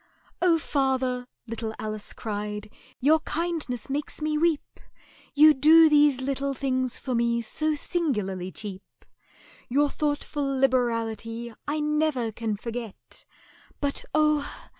"Oh, father," little Alice cried, "your kindness makes me weep, You do these little things for me so singularly cheap— Your thoughtful liberality I never can forget; But, oh!